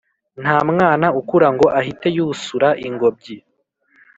Ntamwana ukurango ahite yusura Ingobyi